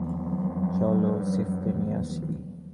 চলো সিফকে নিয়ে আসি!